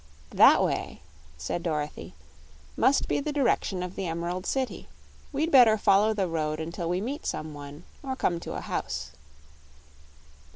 "That way," said Dorothy, "must be the direction of the Emerald City. We'd better follow the road until we meet some one or come to a house."